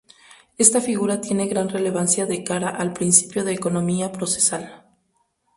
Esta figura tiene gran relevancia de cara al principio de economía procesal.